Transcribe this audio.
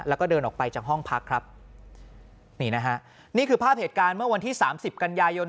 แล้วก็เดินออกไปจากห้องพักครับนี่นะฮะนี่คือภาพเหตุการณ์เมื่อวันที่สามสิบกันยายน